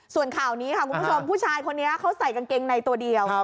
ส่วนข่าวนี้ค่ะคุณผู้ชมผู้ชายคนนี้เขาใส่กางเกงในตัวเดียว